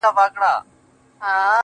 o په اور دي وسوځم، په اور مي مه سوځوه.